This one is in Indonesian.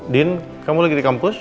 din kamu lagi di kampus